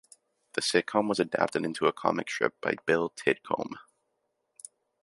The sitcom was adapted into a comic strip by Bill Titcombe.